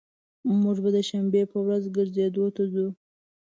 موږ به د شنبي په ورځ ګرځیدو ته ځو